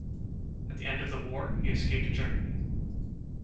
At the end of the war, he escaped to Germany.